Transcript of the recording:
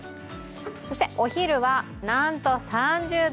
そしてお昼は、なんと３０度。